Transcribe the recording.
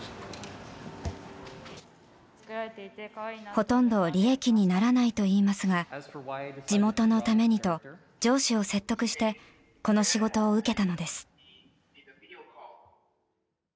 ほとんど利益にならないといいますが地元のためにと上司を説得してこの仕事を受けたのです。